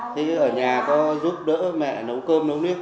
thế ở nhà có giúp đỡ mẹ nấu cơm nấu nước